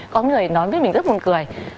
có người nói với mình rất buồn cười